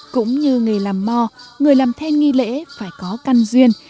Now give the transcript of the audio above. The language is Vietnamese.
cũng như nghề làm mò người làm then nghi lễ phải có căn duyên